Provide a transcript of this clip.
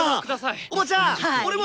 おばちゃん俺も！